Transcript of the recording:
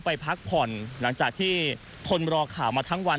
ไปพักผ่อนหลังจากที่ทนรอข่าวมาทั้งวัน